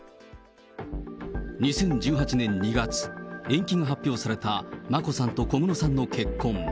２０１８年２月、延期が発表された眞子さんと小室さんの結婚。